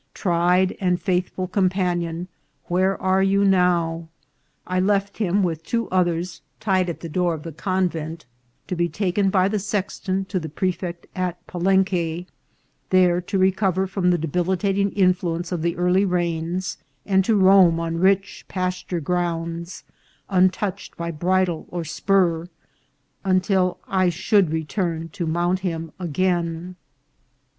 Tried and faithful companion, where are you now ? I left him, with two others, tied at the door of the convent, to be taken by the sexton to the prefect at Palenque, there to recover from the debilitating influence of the early rains, and to roam on rich pasture grounds, un touched by bridle or spur, until I should return to mount him again.